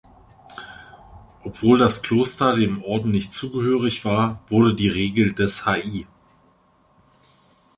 Obwohl das Kloster dem Orden nicht zugehörig war, wurde die Regel des Hl.